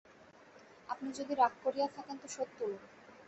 আপনি যদি রাগ করিয়া থাকেন তো শোধ তুলুন।